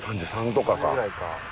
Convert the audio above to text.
３３とかか。